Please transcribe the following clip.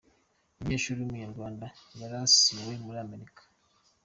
Umunyeshuri w’Umunyarwanda yarasiwe muri Amerika